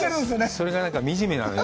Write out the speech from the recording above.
それが惨めなのよ。